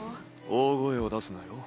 大声を出すなよ。